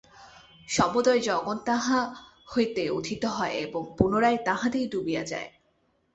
সমুদয় জগৎ তাঁহা হইতে উত্থিত হয় এবং পুনরায় তাঁহাতেই ডুবিয়া যায়।